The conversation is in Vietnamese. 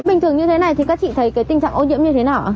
bình thường như thế này thì các chị thấy cái tình trạng ô nhiễm như thế nào